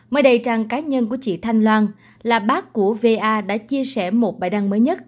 mới đây trang cá nhân của chị thanh loan là bác của va đã chia sẻ một bài đăng mới nhất